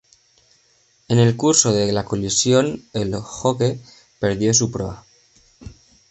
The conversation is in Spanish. En el curso de la colisión el "Hawke" perdió su proa.